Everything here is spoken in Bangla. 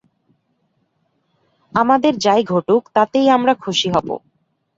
আমাদের যাই ঘটুক তাতেই আমরা সুখী হব।